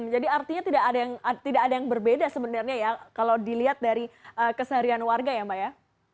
jadi artinya tidak ada yang berbeda sebenarnya ya kalau dilihat dari keseharian warga ya mbak ya